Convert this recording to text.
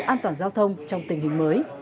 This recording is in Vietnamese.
an toàn giao thông trong tình hình mới